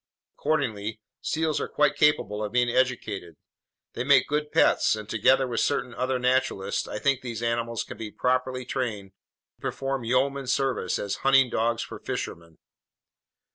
Accordingly, seals are quite capable of being educated; they make good pets, and together with certain other naturalists, I think these animals can be properly trained to perform yeoman service as hunting dogs for fishermen.